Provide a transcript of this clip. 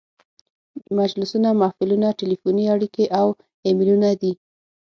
مجلسونه، محفلونه، تلیفوني اړیکې او ایمیلونه دي.